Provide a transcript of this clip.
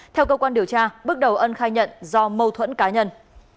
theo cơ quan điều tra bước đầu ân khai nhận do mâu thuẫn cá nhân